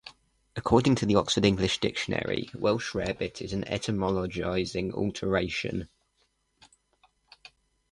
According to the "Oxford English Dictionary", 'Welsh rarebit' is an "etymologizing alteration.